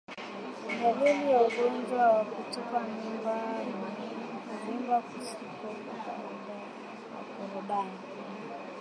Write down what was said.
Dalili ya ugonjwa wa kutupa mimba ni kuvimba kusiko kwa kawaida kwa korodani